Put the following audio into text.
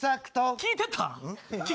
聴いてた？